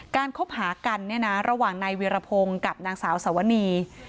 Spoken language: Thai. คบหากันเนี่ยนะระหว่างนายเวียรพงศ์กับนางสาวสวนี